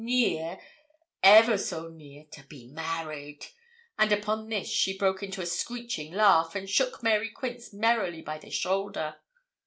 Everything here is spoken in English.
near, ever so near to be married!' And upon this she broke into a screeching laugh, and shook Mary Quince merrily by the shoulder.